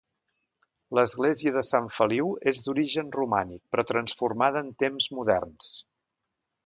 L'Església de Sant Feliu és d'origen romànic però transformada en temps moderns.